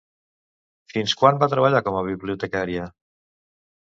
Fins quan va treballar com a bibliotecària?